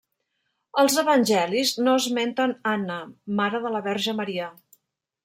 Els Evangelis no esmenten Anna, mare de la Verge Maria.